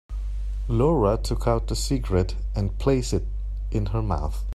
Laura took out a cigarette and placed it in her mouth.